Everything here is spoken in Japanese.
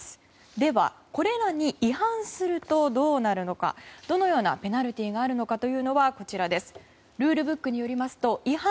では、これらに違反するとどのようなペナルティーがあるのかというのはルールブックによりますと違反